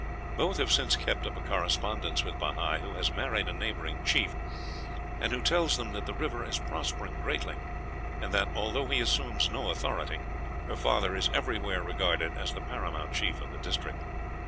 Both have since kept up a correspondence with Bahi, who has married a neighboring chief, and who tells them that the river is prospering greatly, and that, although he assumes no authority, her father is everywhere regarded as the paramount chief of the district.